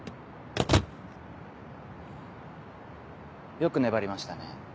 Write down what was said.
よく粘りましたね